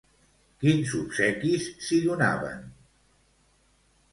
Quins obsequis s'hi donaven?